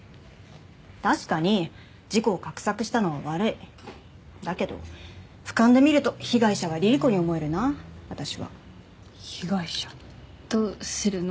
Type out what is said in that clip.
確かに事故を画策したのは悪いだけどふかんで見ると被害者はリリ子に思えるな私は被害者どうするの？